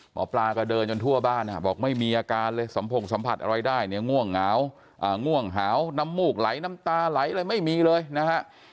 หมอปลาก็เดินจนทั่วบ้านบอกไม่มีอาการเลยสัมพงสัมผัสอะไรได้เนี่ยง่วงเงาม่วงหาวน้ำมูกไหลน้ำตาไหลอะไรไม่มีเลยนะฮะ